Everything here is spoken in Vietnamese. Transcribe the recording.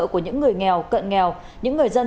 của những người nghèo cận nghèo những người dân